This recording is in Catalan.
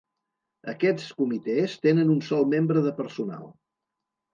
Aquests comitès tenen un sol membre de personal.